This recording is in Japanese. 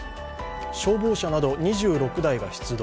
消防車など２６台が出動。